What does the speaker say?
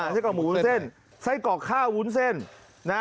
ไส้กรอกหมูวุ้นเส้นไส้กรอกข้าววุ้นเส้นนะ